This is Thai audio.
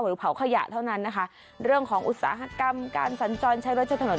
เผาขยะเท่านั้นนะคะเรื่องของอุตสาหกรรมการสัญจรใช้รถใช้ถนน